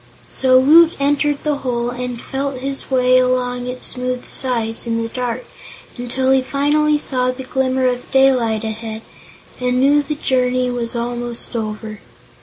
So Woot entered the hole and felt his way along its smooth sides in the dark until he finally saw the glimmer of daylight ahead and knew the journey was almost over.